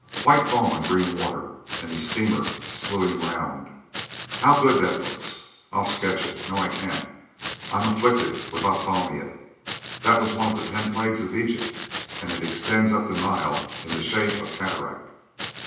White foam on green water, and the steamer slewing round. How good that looks! I'll sketch it. No, I can't. I'm afflicted with ophthalmia. That was one of the ten plagues of Egypt, and it extends up the Nile in the shape of cataract.